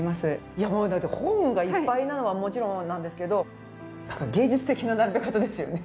いやもう本がいっぱいなのはもちろんなんですけどなんか芸術的な並べ方ですよね。